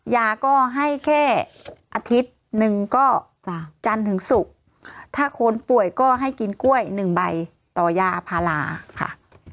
ยาก็ให้แค่อาทิตย์หนึ่งก็จันทร์ถึงศุกร์ถ้าคนป่วยก็ให้กินกล้วยหนึ่งใบต่อยาพาราค่ะ